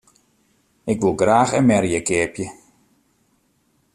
Ik woe graach in merje keapje.